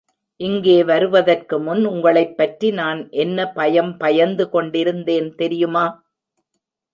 இங்கே வருவதற்குமுன் உங்களைப் பற்றி நான் என்ன பயம் பயந்து கொண்டிருந்தேன் தெரியுமா?